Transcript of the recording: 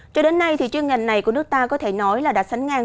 cho đến nay thì chuyên ngành này của nước ta có thể nói là đã sánh ngang